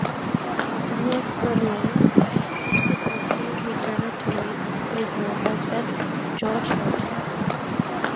Agnes Conway subsequently returned to it with her husband, George Horsfield.